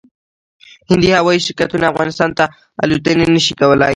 هندي هوايي شرکتونه افغانستان ته الوتنې نشي کولای